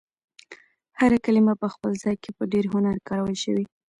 هر کلمه په خپل ځای کې په ډېر هنر کارول شوې.